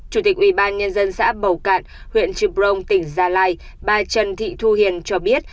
chủ tịch ubnd xã bầu cạn huyện trư brông tỉnh gia lai bà trần thị thu hiền cho biết